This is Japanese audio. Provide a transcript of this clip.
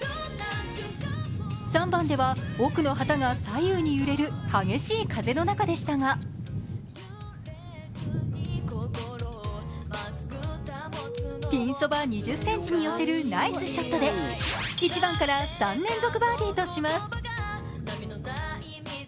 ３番では奥の旗が左右に揺れる風の中でしたがピンそば２０ｃｍに寄せるナイスショットで１番から３連続バーディーとします。